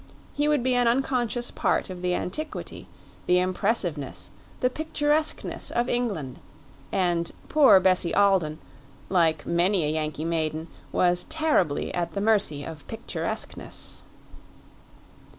He would be an unconscious part of the antiquity, the impressiveness, the picturesqueness, of England; and poor Bessie Alden, like many a Yankee maiden, was terribly at the mercy of picturesqueness.